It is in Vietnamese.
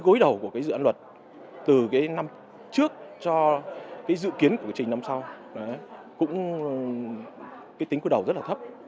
tính gối đầu của cái dự án luật từ cái năm trước cho cái dự kiến của cái trình năm sau cũng cái tính gối đầu rất là thấp